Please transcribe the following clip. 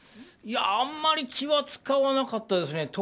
あんまり気は使わなかったですね。